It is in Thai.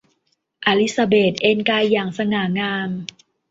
อลิซาเบธเอนกายอย่าสง่างาม